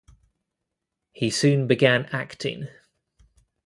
He soon began acting.